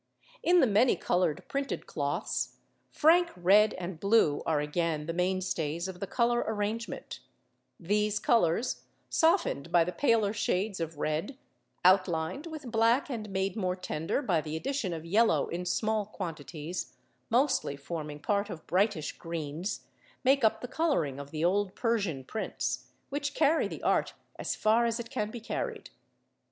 In the many coloured printed cloths, frank red and blue are again the mainstays of the colour arrangement; these colours, softened by the paler shades of red, outlined with black and made more tender by the addition of yellow in small quantities, mostly forming part of brightish greens, make up the colouring of the old Persian prints, which carry the art as far as it can be carried.